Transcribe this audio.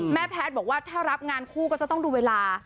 แพทย์บอกว่าถ้ารับงานคู่ก็จะต้องดูเวลา